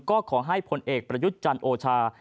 ก็ขอให้ผลเอกประยุทธ์จันทร์โอชา